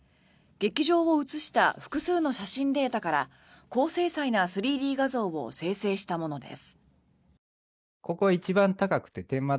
劇場を写した複数の写真データから高精細な３Ｄ画像を生成したものです。